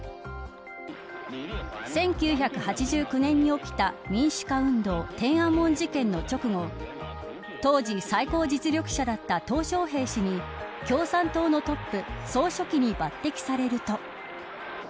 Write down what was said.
１９８９年に起きた民主化運動、天安門事件の直後当時、最高実力者だった小平氏に共産党のトップ総書記に抜てきされると。